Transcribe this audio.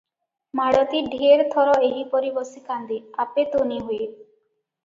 ମାଳତୀ ଢେର ଥର ଏହିପରି ବସି କାନ୍ଦେ, ଆପେ ତୁନି ହୁଏ ।